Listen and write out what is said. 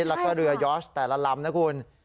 แล้วก็เรือยอร์ชแต่ละลำนะคุณ